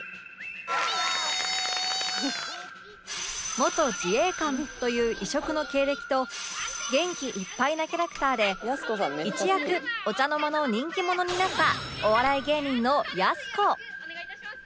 元自衛官という異色の経歴と元気いっぱいなキャラクターで一躍お茶の間の人気者になった